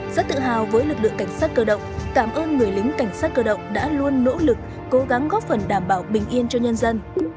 rất tự hào với lực lượng cảnh sát cơ động cảm ơn người lính cảnh sát cơ động đã luôn nỗ lực cố gắng góp phần đảm bảo bình yên cho nhân dân